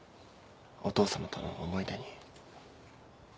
お父さまとの思い出に。